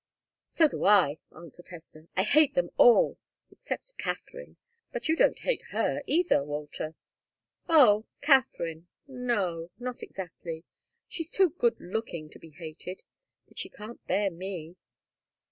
"So do I," answered Hester. "I hate them all except Katharine. But you don't hate her, either, Walter." "Oh Katharine? No not exactly. She's too good looking to be hated. But she can't bear me."